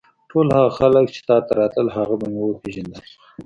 ټول هغه خلک چې تا ته راتلل هغه به مې وپېژندل.